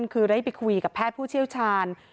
คือได้ไปคุยกับแพทย์ผู้เชี่ยวชาญ